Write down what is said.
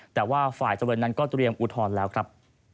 แต่ว่าฝ่ายจำเลยนั้นก็เตรียมอุทธรณ์แล้วครับ